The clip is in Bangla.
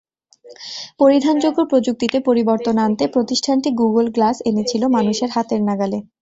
পরিধানযোগ্য প্রযুক্তিতে পরিবর্তন আনতে প্রতিষ্ঠানটি গুগল গ্লাস এনেছিল মানুষের হাতের নাগালে।